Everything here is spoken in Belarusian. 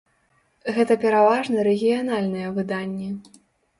Гэта пераважна рэгіянальныя выданні.